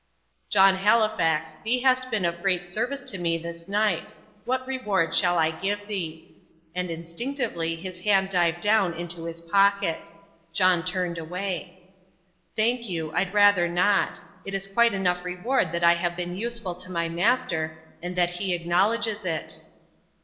"John Halifax, thee hast been of great service to me this night. What reward shall I give thee?" And instinctively his hand dived down into his pocket. John turned away. "Thank you I'd rather not. It is quite enough reward that I have been useful to my master, and that he acknowledges it."